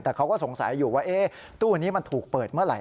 แต่เขาก็สงสัยอยู่ว่าตู้นี้มันถูกเปิดเมื่อไหร